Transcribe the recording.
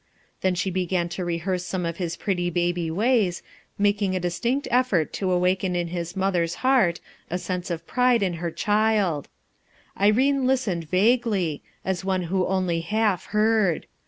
Then she began to rehearse some of his pretty baby ways, making a distinct effort to awaken in his mother's heart a sense of pride in her child, Irene lis tened vaguely, as one who only half heard.